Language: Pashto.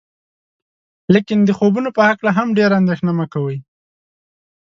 لیکن د خوبونو په هکله هم ډیره اندیښنه مه کوئ.